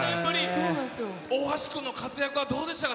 大橋君の活躍はどうでしたか？